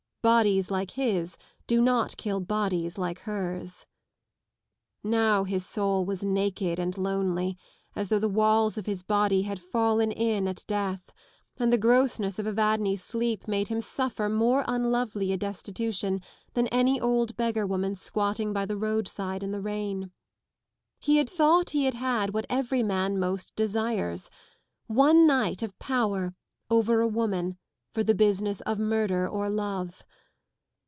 Bodies like his do not kill bodies like hers. Now his soul was naked and lonely as though the walls of his body had fallen m at death, and the grossness of Evadne's sleep made him suffer more unlovely a destitution than any old beggarwoman squatting by the roadside in the rain. He had thought he had had what every man most desires : one night of power over a woman for the business of murder or love.